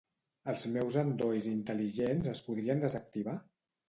Els meus endolls intel·ligents es podrien desactivar?